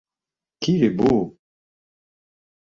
Qu'il est beau!